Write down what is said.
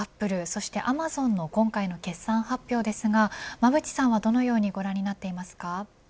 そしてアマゾンの今回の決算発表ですが馬渕さんは、どのようにご覧になっていますか。